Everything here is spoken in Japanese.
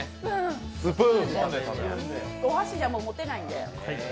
お箸じゃ持てないんで。